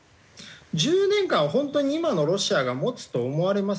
１０年間本当に今のロシアが持つと思われます？